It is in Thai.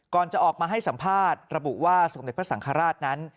ก่อนจะออกมาให้สัมภาษณ์ระบุว่าสมเด็จพระสังฆราชนั้น